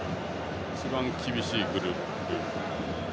一番厳しいグループ。